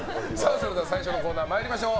最初のコーナー参りましょう。